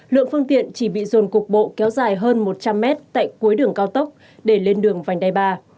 lượng phương tiện chỉ bị dồn cục bộ kéo dài hơn một trăm linh mét tại cuối đường cao tốc để lên đường vành đai ba